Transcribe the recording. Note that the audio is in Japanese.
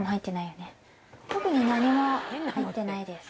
特に何も入ってないです。